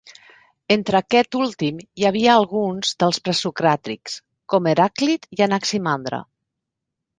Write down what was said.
Entre aquest últim hi havia alguns dels presocràtics, com Heràclit i Anaximandre.